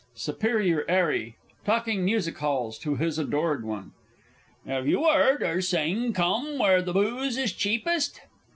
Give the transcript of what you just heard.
SUPERIOR 'ARRY (talking Musichalls to his Adored One). 'Ave you 'eard her sing "Come where the Booze is Cheapest?"